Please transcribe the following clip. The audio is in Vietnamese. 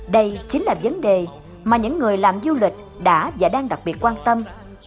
đây chính là vấn đề mà những người làm du lịch đã và đang đặc biệt quan tâm